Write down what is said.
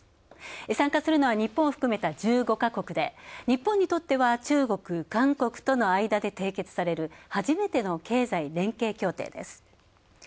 参加するのは日本を含めた１５か国で、日本にとっては中国、韓国との間で締結される初めての経済連携協定です。